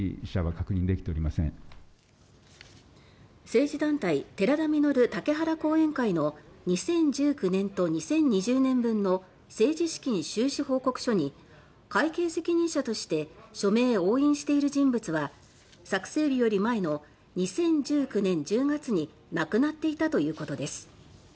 政治団体「寺田稔竹原後援会」の２０１９年と２０２０年分の政治資金収支報告書に会計責任者として署名、押印している人物は作成日より前の２０１９年１０月に亡くなっていたということです。